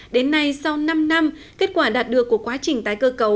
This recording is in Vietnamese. đến nay sau năm năm kết quả đạt được của quá trình tái cơ cấu